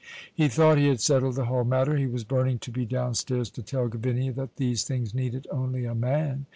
He thought he had settled the whole matter. He was burning to be downstairs to tell Gavinia that these things needed only a man.